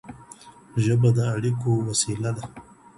ژبه د اړيکو وسيله ده.